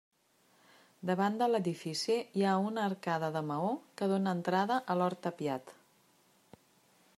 Davant de l'edifici hi ha una arcada de maó que dóna entrada a l'hort tapiat.